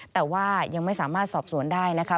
แต่ว่ายังไม่สามารถสอบสวนได้นะคะ